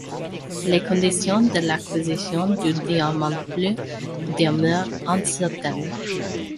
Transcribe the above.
Les conditions de l'acquisition du diamant bleu demeurent incertaines.